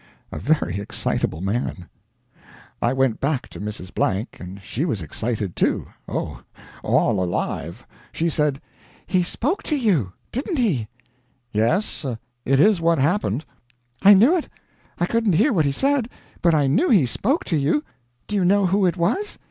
A very excitable man. "I went back to Mrs. Blank, and she was excited, too oh, all alive. She said: "'He spoke to you! didn't he?' "'Yes, it is what happened.' "'I knew it! I couldn't hear what he said, but I knew he spoke to you! Do you know who it was?